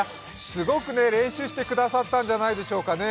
すごく練習してくださったんじゃないでしょうかね。